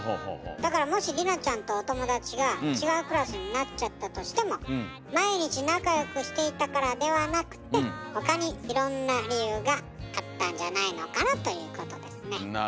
だからもしりなちゃんとお友達が違うクラスになっちゃったとしても毎日仲良くしていたからではなくて他にいろんな理由があったんじゃないのかなということですね。